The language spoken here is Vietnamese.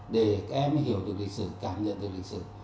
để em hiểu được lịch sử cảm nhận được lịch sử